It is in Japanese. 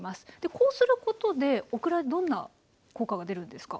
こうすることでオクラにどんな効果が出るんですか？